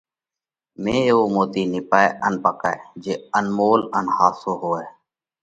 ۾ ايوو موتِي نِيپئه ان پاڪئه۔ جي انمول ان ۿاسو هوئه۔